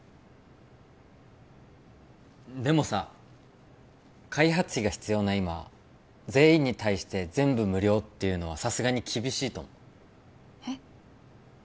でもさ開発費が必要な今全員に対して全部無料っていうのはさすがに厳しいと思うえっ？